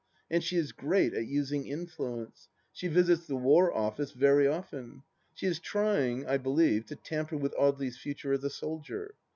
And she is great at using influence. She visits the War Office very often. She is trying, I believe, to tamper with Audely 's future as a soldier.